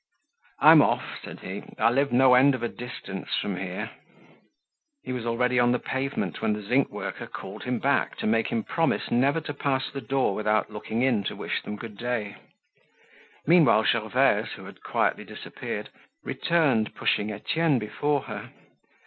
"I'm off," said he. "I live no end of a distance from here." He was already on the pavement when the zinc worker called him back to make him promise never to pass the door without looking in to wish them good day. Meanwhile Gervaise, who had quietly disappeared, returned pushing Etienne before her.